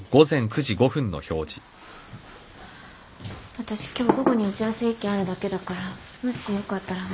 あたし今日午後に打ち合わせ１件あるだけだからもしよかったら誠。